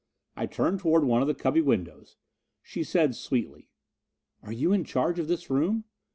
I turned toward one of the cubby windows; she said sweetly: "Are you in charge of this room?